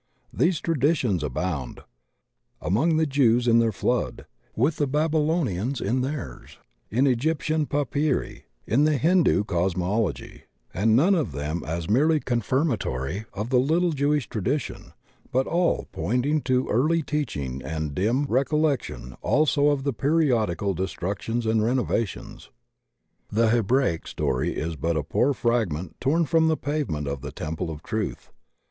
These traditions abound; among the Jews in their flood; with the Babylonians in theirs; in Egyptian papyri; in the Hindu cosmology; and none of them as merely confirmatory of the little Jewish tradition, but all pointing to early teaching and dim recollection also of the periodical destructions and reno vations. The Hebraic story is but a poor fragment torn from the pavement of the Temple of Trutfi.